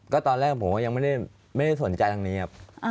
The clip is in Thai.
ก็ตอนแรกผมก็ยังไม่ได้สนใจทางนี้ครับ